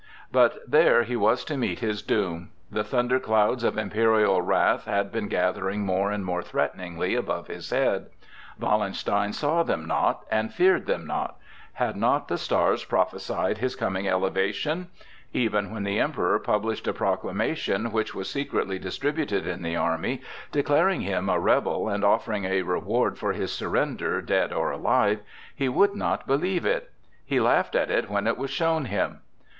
But there he was to meet his doom. The thunderclouds of imperial wrath had been gathering more and more threateningly above his head. Wallenstein saw them not and feared them not. Had not the stars prophesied his coming elevation? Even when the Emperor published a proclamation, which was secretly distributed in the army, declaring him a rebel and offering a reward for his surrender, dead or alive, he would not believe it; he laughed at it when it was shown him.